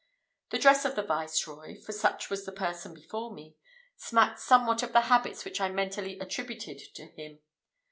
The dress of the Viceroy for such was the person before me smacked somewhat of the habits which I mentally attributed to him.